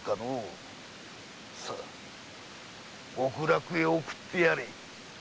さあ極楽へ送ってやれ。